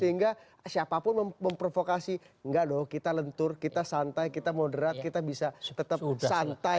sehingga siapapun memprovokasi enggak dong kita lentur kita santai kita moderat kita bisa tetap santai